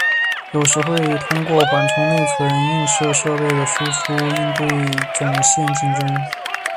有时会通过缓冲内存映射设备的输出应对总线竞争。